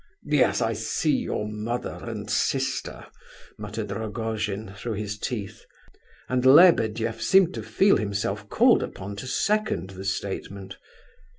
"Yes, I see your mother and sister," muttered Rogojin, through his teeth; and Lebedeff seemed to feel himself called upon to second the statement.